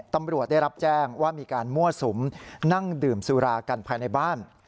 ตำรวจได้รับแจ้งว่ามีการมั่วสุมนั่งดื่มสุรากันภายในบ้าน